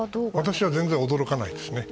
私は全然驚かないですね。